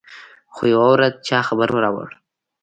خو يوه ورځ چا خبر راوړ.